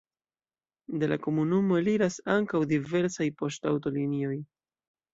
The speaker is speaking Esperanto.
De la komunumo eliras ankaŭ diversaj poŝtaŭtolinioj.